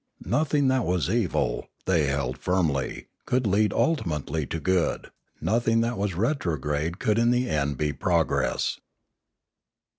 Nothing that was evil, they held firmly, could lead ultimately to good; nothing that was retrograde could in the end be progress.